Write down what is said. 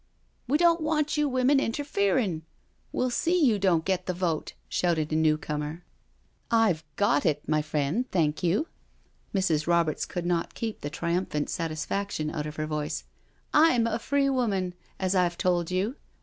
" We don't want you women interfering — we'll see you don't get the vote I" shouted a new comer. " I've got it, my friend, thank you." Mrs. Roberts could not keep the triumphant satisfaction out of her voice. " I'm a free woman, as I've told you.